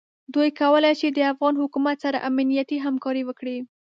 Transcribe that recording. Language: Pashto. دوی کولای شي د افغان حکومت سره امنیتي همکاري وکړي.